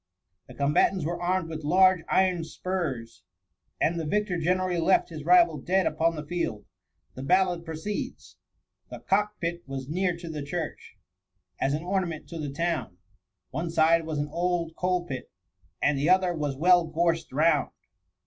The combatants were armed with large iron spurs, and the victor generally left his rival dead upon the field. The ballad proceeds :—* The cock pit was near to the churchy As an ornament to the town ; One side was an old coal pit. And the other was well gorsed round.